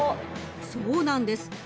［そうなんです。